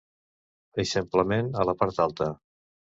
Eixamplament a la part alta.